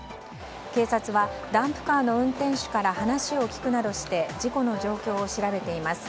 警察はダンプカーの運転手から話を聞くなどして事故の状況を調べています。